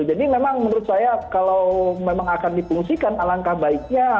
jadi memang menurut saya kalau memang akan dipungsikan alangkah baiknya